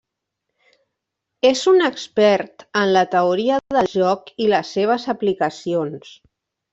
És un expert en la teoria del joc i les seves aplicacions.